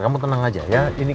kamu tenang aja ya